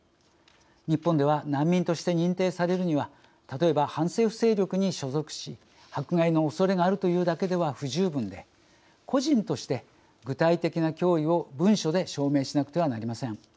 日本では難民として認定されるには例えば、反政府勢力に所属し迫害のおそれがあるというだけでは不十分で個人として具体的な脅威を文書で証明しなくてはなりません。